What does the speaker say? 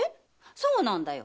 そうなんだよ。